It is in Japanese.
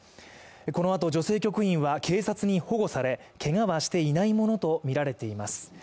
この後、女性局員は警察に保護されけがはしていないものとみられています。